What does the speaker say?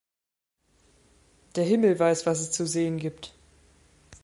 Der Himmel weiß, was es zu sehen gibt.